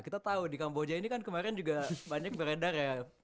kita tahu di kamboja ini kan kemarin juga banyak beredar ya